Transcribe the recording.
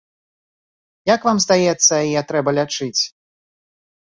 Як вам здаецца, яе трэба лячыць?